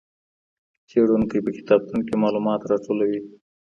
څېړونکی په کتابتون کې معلومات راټولوي.